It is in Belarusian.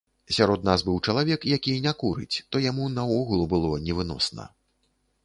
Сярод нас быў чалавек, які не курыць, то яму наогул было невыносна.